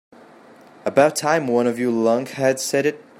About time one of you lunkheads said it.